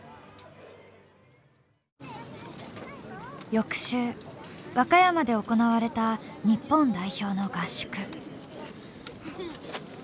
翌週和歌山で行われた日本代表の合宿。